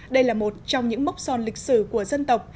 đây là một trong những mốc son lịch sử của dân tộc